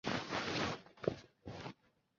进气道可分为亚音速和超音速进气道。